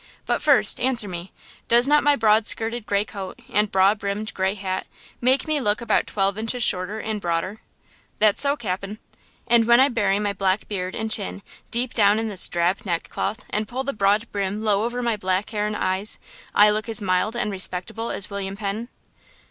But first, answer me: does not my broad skirted gray coat and broad brimmed gray hat make me look about twelve inches shorter and broader?" "That's so, cap'n!" "And when I bury my black beard and chin deep down in this drab neckcloth, and pull the broad brim low over my black hair and eyes, I look as mild and respectable as William Penn?"